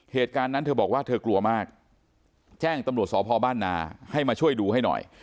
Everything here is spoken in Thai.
เหตุการณ์นั้นเธอบอกว่าเธอกลัวมากแจ้งตำรวจสพบ้านนาให้มาช่วยดูให้หน่อย